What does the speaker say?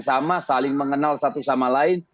sama saling mengenal satu sama lain